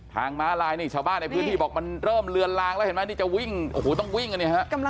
ทางม้าลายนี่ชาวบ้านในพื้นที่บอกมันเริ่มเลือนลางแล้วเห็นไหม